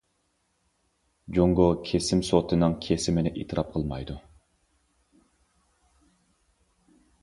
جۇڭگو كېسىم سوتىنىڭ كېسىمىنى ئېتىراپ قىلمايدۇ.